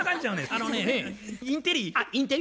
あのねインテリ。